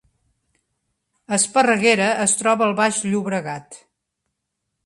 Esparreguera es troba al Baix Llobregat